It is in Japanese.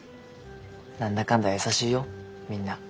何だかんだ優しいよみんな。